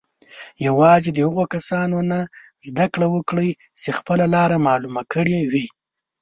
یوازې د هغو کسانو نه زده کړه وکړئ چې خپله لاره معلومه کړې وي.